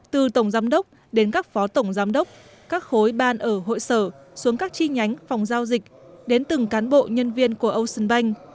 từ tổng giám đốc đến các phó tổng giám đốc các khối ban ở hội sở xuống các chi nhánh phòng giao dịch đến từng cán bộ nhân viên của ocean bank